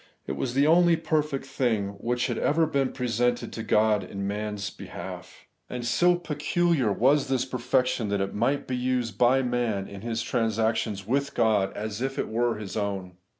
It was tlie only perfect thing which had ever been presented to God in man's behalf; and so pecuUar was this perfection, that it might be used by man in his transactions with God, as if it were his own.